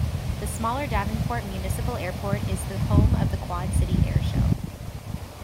The smaller Davenport Municipal Airport is the home of the Quad City Air Show.